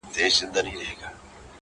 په گلونو کي د چا د خولې خندا ده _